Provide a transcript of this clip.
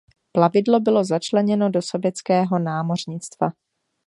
Plavidlo bylo začleněno do sovětského námořnictva.